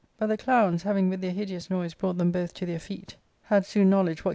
But the clowns, having with their hideous noise brought them both to their feet, had soon knowledge what 438 ARCADIAl^BooJi IV.